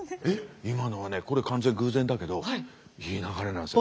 今のはねこれ完全偶然だけどいい流れなんですよ。